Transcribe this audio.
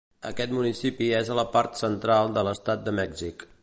Aquest municipi és a la part central de l'estat de Mèxic.